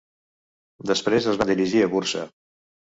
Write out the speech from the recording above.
Després es van dirigir a Bursa.